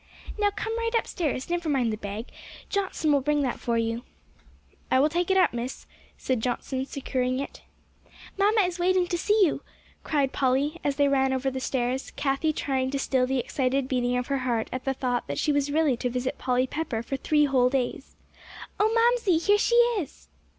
"Now come right upstairs; never mind the bag, Johnson will bring that for you." "I will take it up, Miss," said Johnson, securing it. "Mamsie is waiting to see you," cried Polly, as they ran over the stairs, Cathie trying to still the excited beating of her heart at the thought that she was really to visit Polly Pepper for three whole days! "Oh, Mamsie, here she is!"